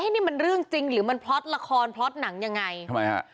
นี่มันจริงหรือมันละครพลอดหนังยังไงทำไมฮะ